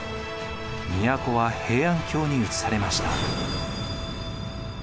都は平安京にうつされました。